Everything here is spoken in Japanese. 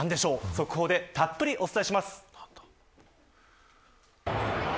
速報でたっぷりお伝えします。